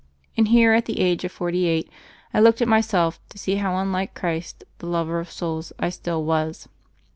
And here, at the age of forty eight, I looked at myself to see how unlike Christ, the lover of souls, I still was.